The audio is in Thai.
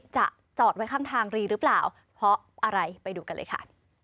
จอดไว้ข้างทางรีหรือเปล่าเพราะอะไรไปดูกันเลยค่ะ